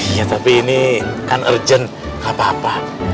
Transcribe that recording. iya tapi ini kan urgent nggak apa apa